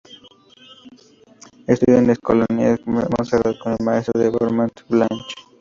Estudió en la Escolanía de Montserrat con el maestro Bartomeu Blanch.